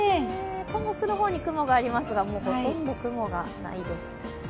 遠くの方に雲がありますが、ほとんど雲がないです。